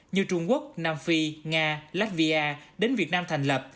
như trung quốc nam phi nga latvia đến việt nam thành lập